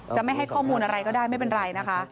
จะไม่ให้ข้อมูลอะไรก็ได้ไม่เป็นไรนะคะ